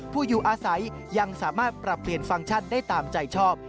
อยู่อาศัยยังสามารถปรับเปลี่ยนฟังก์ชันได้ตามใจชอบ